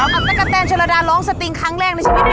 กับตะกะแตนชนระดาร้องสติงครั้งแรกในชีวิตนี้